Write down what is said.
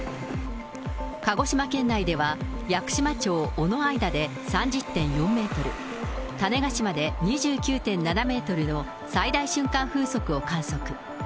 鹿児島県内では、屋久島町尾之間で３０．４メートル、種子島で２９．７メートルの最大瞬間風速を観測。